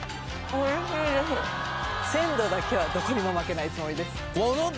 ・おいしいです鮮度だけはどこにも負けないつもりです